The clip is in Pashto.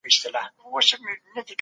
موږ بايد د خپلو حقونو څخه تېر نه سو.